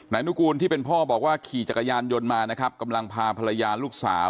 นุกูลที่เป็นพ่อบอกว่าขี่จักรยานยนต์มานะครับกำลังพาภรรยาลูกสาว